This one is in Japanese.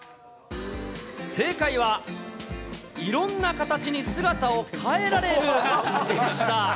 正解は、いろんな形に姿を変えられるでした。